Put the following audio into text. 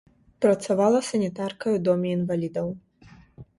Працавала санітаркай у доме інвалідаў.